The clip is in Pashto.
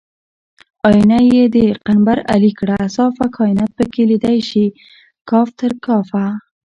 آیینه یې د قنبر علي کړه صافه کاینات پکې لیدی شي کاف تر کافه